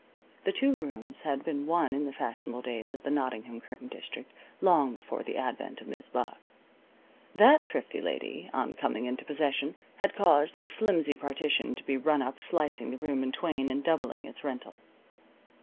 The two rooms had been one in the fashionable days of the Nottingham curtain district, long before the advent of Mis' Buck. That thrifty lady, on coming into possession, had caused a flimsy partition to be run up, slicing the room in twain and doubling its rental.